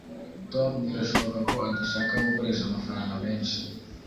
tom birashoboka ko adashaka gukoresha amafaranga menshi